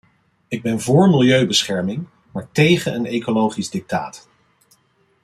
Ik ben vóór milieubescherming, maar tegen een ecologisch dictaat.